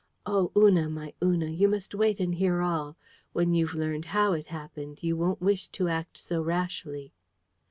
Oh! Una, my Una, you must wait and hear all. When you've learned HOW it happened, you won't wish to act so rashly."